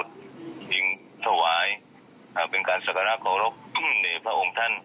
ก็ฆิงหยิงทวายการเป็นการสักราะศักระในพระองค์ท่าน